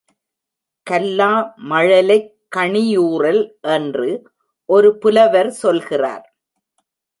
கல்லா மழலைக் கணியூறல் என்று ஒரு புலவர் சொல்கிறார்.